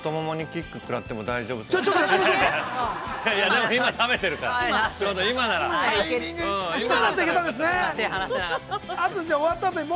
今なら、太ももにキック食らっても大丈夫かも。